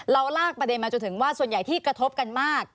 ลากประเด็นมาจนถึงว่าส่วนใหญ่ที่กระทบกันมาก